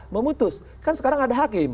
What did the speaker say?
memutus kan sekarang ada hakim